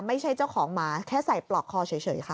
ไม่ใช่เจ้าของหมาแค่ใส่ปลอกคอเฉยค่ะ